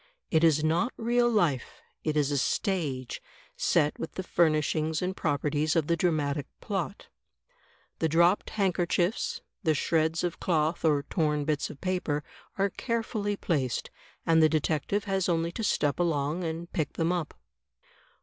It is not real life; it is a stage, set with the furnish ings and properties of the dramatic plot. The dropped handkerchiefs, the shreds of cloth or torn bits of paper, are carefully placed, and the detective has only to step along and pick them up.